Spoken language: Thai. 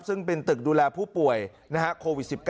ซึ่งเป็นตึกดูแลผู้ป่วยโควิด๑๙